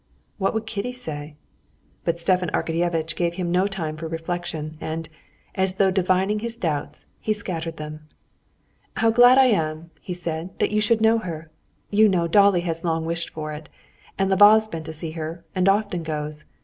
What would Kitty say? But Stepan Arkadyevitch gave him no time for reflection, and, as though divining his doubts, he scattered them. "How glad I am," he said, "that you should know her! You know Dolly has long wished for it. And Lvov's been to see her, and often goes.